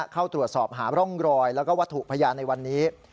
เข้าตรวจสอบหาร่องรอยแล้วก็วัตถุพยานในวันนี้